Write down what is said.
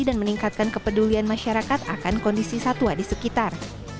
dan meningkatkan kepedulian masyarakat akan kondisi satwa di sekitar